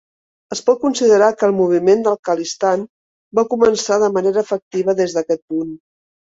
Es pot considerar que el moviment del Khalistan va començar de manera efectiva des d'aquest punt.